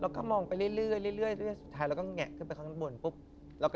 เราก็ไม่รู้แต่คือเขาจ้องมาทางเรา